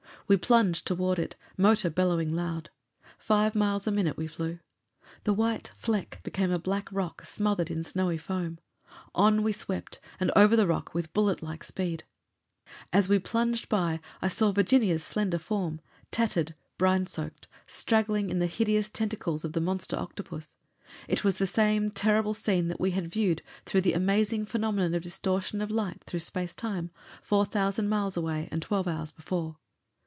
We plunged toward it, motor bellowing loud. Five miles a minute we flew. The white fleck became a black rock smothered in snowy foam. On we swept, and over the rock, with bullet like speed. As we plunged by, I saw Virginia's slender form, tattered, brine soaked, straggling in the hideous tentacles of the monster octopus. It was the same terrible scene that we had viewed, through the amazing phenomenon of distortion of light through space time, four thousand miles away and twelve hours before.